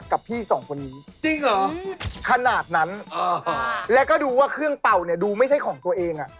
กับพี่สองคนนี้ขนาดนั้นแล้วก็ดูว่าเครื่องเป่าดูไม่ใช่ของตัวเอง